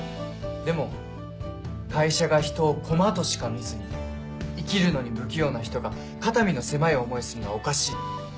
でも会社が人を駒としか見ずに生きるのに不器用な人が肩身の狭い思いをするのはおかしい。